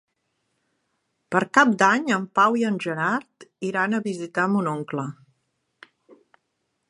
Per Cap d'Any en Pau i en Gerard iran a visitar mon oncle.